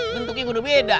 bentuknya udah beda